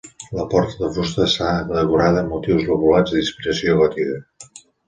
La porta de fusta està decorada amb motius lobulats d'inspiració gòtica.